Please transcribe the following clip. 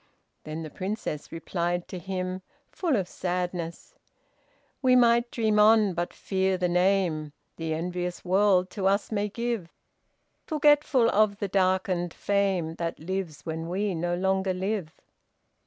Then the Princess replied to him, full of sadness: "We might dream on but fear the name, The envious world to us may give, Forgetful of the darkened fame, That lives when we no longer live."